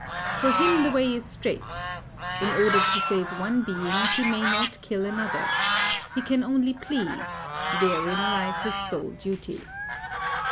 For him the way is straight. In order to save one being, he may not kill another. He can only plead therein lies his sole duty.